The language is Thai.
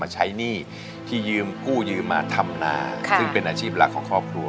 ใช้หนี้ที่ยืมกู้ยืมมาทำนาซึ่งเป็นอาชีพหลักของครอบครัว